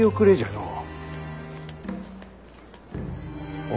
のう？